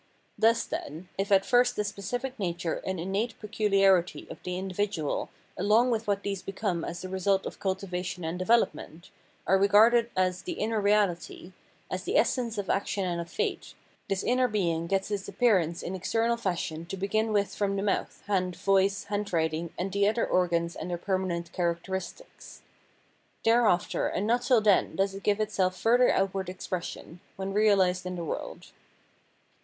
Thus, then, if at first the specific nature and innate peculiarity of the iadividual along with what these become as the result of cultivation and development, are regarded as the inner reahty, as the essence of action and of fate, this inner being gets its appearance in external fashion to begin with from the mouth, hand, voice, handwriting, and the other organs and their permanent characteristics. Thereafter and not till then does it give itself further outward expression, when reahsed in the world.